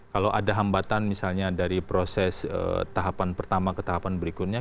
kalau ada hambatan misalnya dari proses tahapan pertama ke tahapan berikutnya